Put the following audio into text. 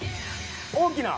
「大きな」。